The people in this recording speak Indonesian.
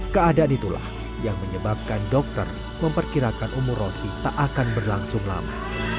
keadaan itulah yang menyebabkan dokter memperkirakan umur rosi tak akan berlangsung lama